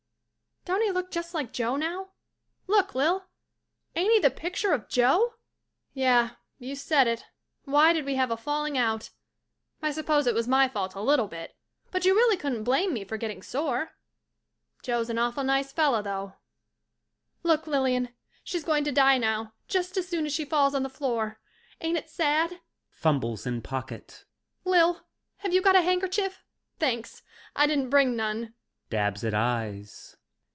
(Blinks.) Don't he look just like Joe now — look, Lil — ain't he the picture of Joe? Yeh, you said it, why did we have a falling out? I suppose it was my fault a little bit, but you really couldn't blame me for getting sore. Joe's an awful nice fella though. Look, Lilian, she's going to die now just as soon as she falls on the floor. Ain't it sad? (Fumbles in pocket.) Lil, have you got a handkerchief ? Thanks, I didn't bring none. (Dabs at eyes.)